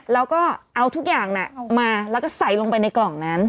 แล้วก็เอาทุกอย่างมาแล้วก็ใส่ลงไปในกล่องนั้น